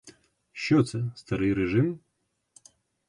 Що це, старий режим?